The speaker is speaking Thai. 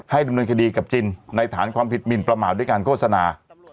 ดำเนินคดีกับจินในฐานความผิดหมินประมาทด้วยการโฆษณา